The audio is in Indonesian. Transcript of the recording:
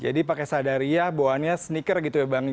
jadi pakai sadariah bawaannya sneaker gitu ya bang